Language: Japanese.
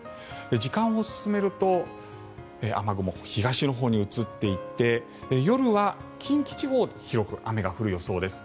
時間を進めると雨雲は東のほうに移っていって夜は近畿地方で広く雨が降る予想です。